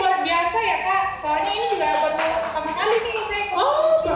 soalnya ini juga pertama kali saya ke bunga